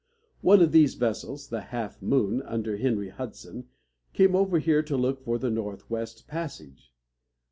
One of these vessels, the Half Moon, under Henry Hudson, came over here to look for the northwest passage.